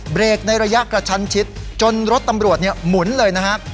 เบรกในระยะกระชันชิดจนรถตำรวจเนี่ยหมุนเลยนะฮะ